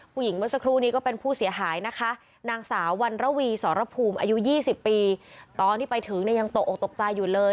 เมื่อสักครู่นี้ก็เป็นผู้เสียหายนะคะนางสาววันระวีสรภูมิอายุ๒๐ปีตอนที่ไปถึงเนี่ยยังตกออกตกใจอยู่เลย